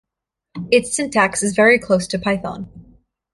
Its syntax is very close to Python.